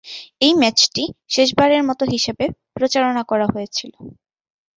এই ম্যাচটি "শেষবারের মতো" হিসেবে প্রচারণা করা হয়েছিল।